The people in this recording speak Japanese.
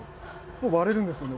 もう割れるんですよ。